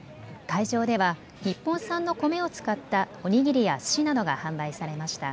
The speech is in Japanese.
会場では日本産のコメを使ったお握りや、すしなどが販売されました。